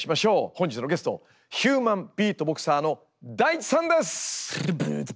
本日のゲストヒューマンビートボクサーのＤａｉｃｈｉさんです！